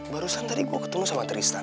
barusan tadi gue ketemu sama tristan